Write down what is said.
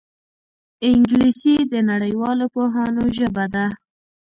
انګلیسي د نړیوالو پوهانو ژبه ده